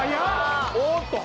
・おっと！